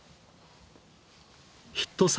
ヒット作